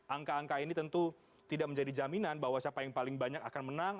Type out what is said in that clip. angka angka ini tentu tidak menjadi jaminan bahwa siapa yang paling banyak akan menang